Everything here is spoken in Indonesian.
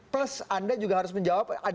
plus anda juga harus menjawab